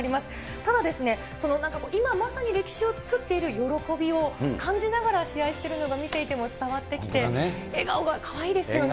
ただ、今まさに歴史を作っている喜びを感じながら試合してるのが見ていても伝わってきて、笑顔がかわいいですよね。